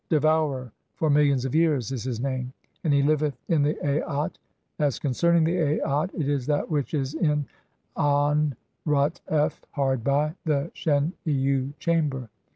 "Devourer for millions of years" is his name, and he liveth in the Aat. 2 As concerning the Aat, it is that which is in An rut f, hard by (43) the Sheniu chamber.